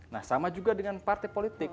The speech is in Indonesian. nah sama juga dengan partai politik